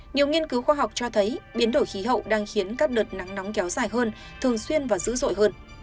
nhiều nghiên cứu khoa học cho thấy biến đổi khí hậu đang khiến các đợt nắng nóng kéo dài hơn thường xuyên và dữ dội hơn